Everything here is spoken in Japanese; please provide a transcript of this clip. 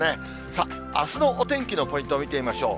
さあ、あすのお天気のポイントを見てみましょう。